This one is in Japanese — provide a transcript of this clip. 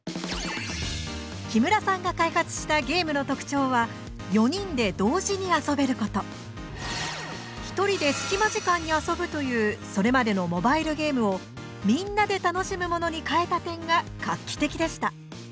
木村さんが開発したゲームの特徴はひとりで隙間時間に遊ぶというそれまでのモバイルゲームをみんなで楽しむものに変えた点が画期的でした。